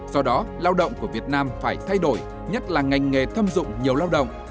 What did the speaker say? do đó lao động của việt nam phải thay đổi nhất là ngành nghề thâm dụng nhiều lao động